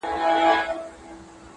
شتُرمرغ ویله زه ستاسي پاچا یم-